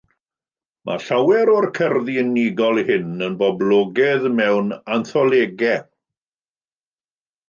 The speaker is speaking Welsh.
Mae llawer o'r cerddi unigol hyn yn boblogaidd mewn antholegau.